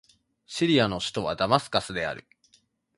シリアの首都はダマスカスである